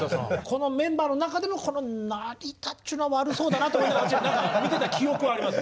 このメンバーの中でもこの成田っちゅうのは悪そうだなと思いながら見てた記憶はあります